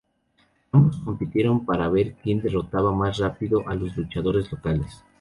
Ambos compitieron para ver quien derrotaba más rápido a los luchadores locales.